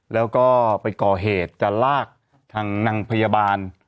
แล้วก็ไปก่อเหตุจะลากทางนางพยาบาล